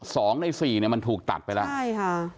สองในสี่เนี่ยมันถูกตัดไปแล้วใช่ค่ะ